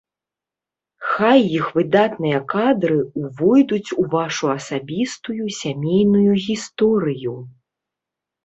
Хай іх выдатныя кадры увойдуць у вашу асабістую сямейную гісторыю!